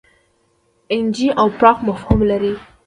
اېن جي او پراخ مفهوم لري.